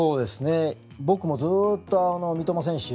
僕もずっと三笘選手